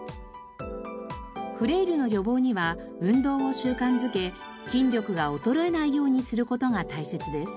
フレイルの予防には運動を習慣づけ筋力が衰えないようにする事が大切です。